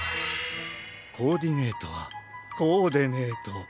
コーディネートはこうでねと！